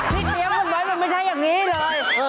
พี่เทียมคนน้อยมันไม่ใช่อย่างนี้เลย